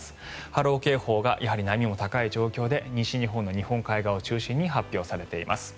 波浪警報が、波も高い状況で西日本の日本海側を中心に発表されています。